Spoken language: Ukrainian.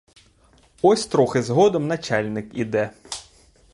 Ось трохи згодом начальник іде.